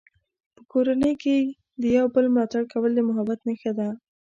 په کورنۍ کې د یو بل ملاتړ کول د محبت نښه ده.